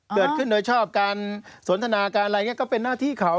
เกิดขึ้นโดยชอบการสนทนาการอะไรอย่างนี้ก็เป็นหน้าที่เขา